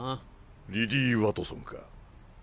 リリー・ワトソンか？